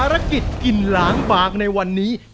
ปรากฤษกินล้างบางในวันนี้เลยครับ